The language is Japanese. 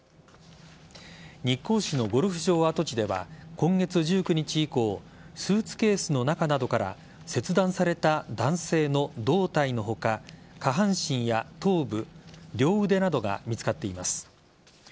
日光市のゴルフ場跡地では今月１９日以降スーツケースの中などから切断された男性の胴体の他下半身や頭部両腕などが見つかっています。